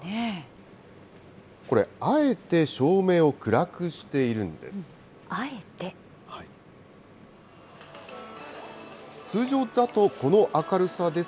これ、あえて照明を暗くしているんです。